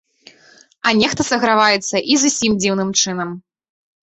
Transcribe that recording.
А нехта саграваецца і зусім дзіўным чынам.